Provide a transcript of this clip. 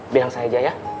bilang saja ya